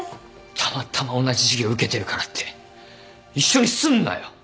たまたま同じ授業受けてるからって一緒にすんなよ。